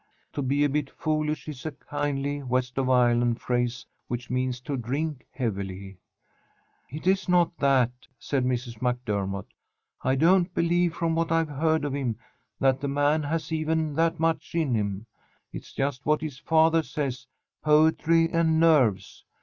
"To be a bit foolish" is a kindly, West of Ireland phrase which means to drink heavily. "It's not that," said Mrs. MacDermott. "I don't believe from what I've heard of him that the man has even that much in him. It's just what his father says, poetry and nerves.